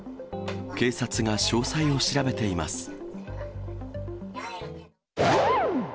警察が詳細を調べています。